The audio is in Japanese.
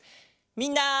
みんな。